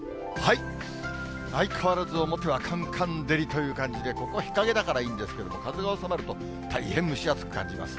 相変わらずおもてはかんかん照りという感じで、ここは日陰だからいいんですけれども、風が収まると、大変蒸し暑く感じます。